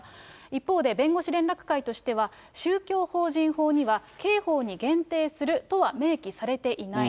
一方で弁護士連絡会としては、宗教法人法には刑法に限定するとは明記されていない。